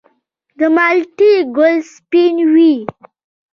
د مالټې ګل سپین وي؟